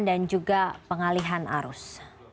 dan juga pengalihan arus